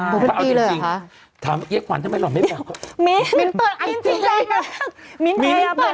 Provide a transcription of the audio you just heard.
เย้ขวัญทำไมยอมไม่พราบค่ะมีนให้จริงโรงคลับ